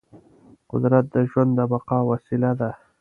قدرت د ژوند د بقا وسیله ده.